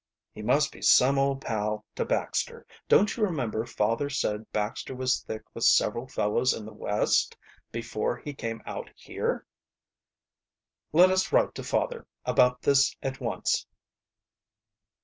"He must be some old pal to Baxter. Don't you remember father said Baxter was thick with several fellows in the West before he came out here?" "Let us write to father about this at once."